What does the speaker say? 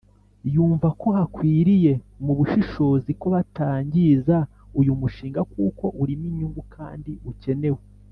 yumva ko hakwiriye mu bushishozi ko batangiza uyu mushinga kuko urimo inyungu kandi ukenewe.